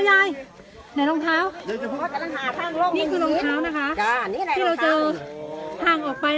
ไหนลองเท้ายาย